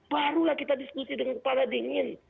barulah kita diskusi dengan kepala dingin